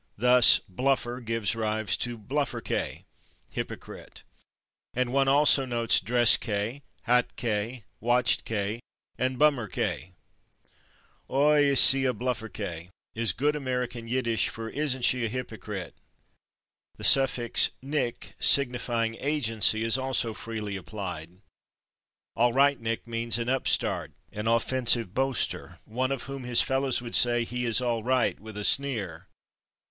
Thus /bluffer/ gives rise to /blufferké/ (=/hypocrite/), and one also notes /dresské/, /hatké/, /watchké/ and /bummerké/. "Oi! is sie a /blufferké/!" is good American Yiddish for "isn't she a hypocrite!" The suffix / nick/, signifying agency, is also freely applied. /Allrightnick/ means an upstart, an offensive boaster, one of whom his fellows would say "He is all right" with a sneer.